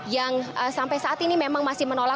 yang sampai saat ini memang masih menolak